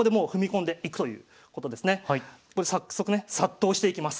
ここで早速ね殺到していきます。